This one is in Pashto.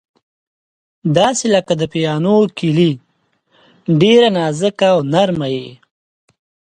داسې لکه د پیانو کیلۍ، ډېره نازکه او نرمه یې.